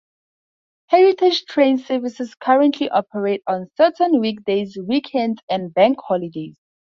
Heritage train services currently operate on certain weekdays, weekends and bank holidays.